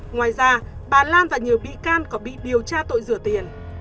ngoài ra bà lan và nhiều bị can còn bị điều tra tội rửa tiền